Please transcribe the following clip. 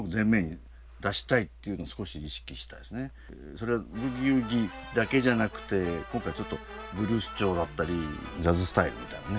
それはブギウギだけじゃなくて今回ちょっとブルース調だったりジャズスタイルみたいなね